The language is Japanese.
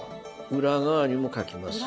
裏側にも書きます。